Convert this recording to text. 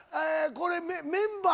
これメンバー